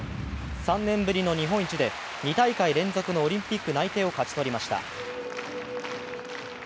３年ぶりの日本一で２大会連続のオリンピック内定を勝ち取りました。